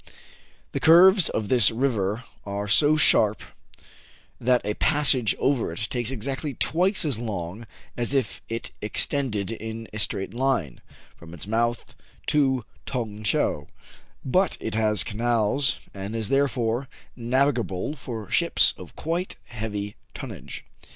The curves of this river are so sharp, that a passage over it takes exactly twice as long as if it extended in a straight line from its mouth to Tong Tcheou ; but it has canals, and is therefore navigable for ships of quite heavy tonnage.